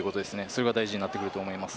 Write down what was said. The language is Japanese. それが大事になってくると思います。